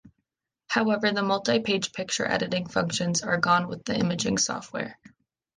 However, the multi-page picture editing functions are gone with the Imaging software.